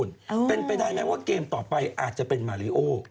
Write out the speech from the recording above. ต้องมาจากญี่ปุ่นเป็นไปได้ไหมว่าเกมต่อไปอาจจะเป็นมาริโอ